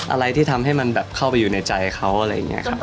อะไรที่ทำให้มันแบบเข้าไปอยู่ในใจเขาอะไรอย่างนี้ครับ